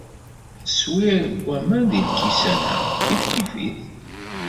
Aswir n waman deg lkisan-a kifkif-it.